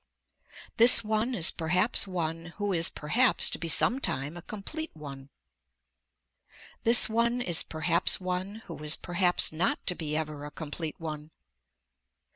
This one is perhaps one who is perhaps to be sometime a complete one. This one is perhaps one who is perhaps not to be ever a complete one.